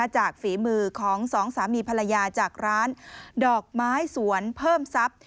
ฝีมือของสองสามีภรรยาจากร้านดอกไม้สวนเพิ่มทรัพย์